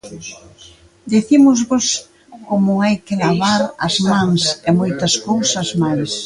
Dicímosvos como hai que lavar as mans e moitas cousas máis.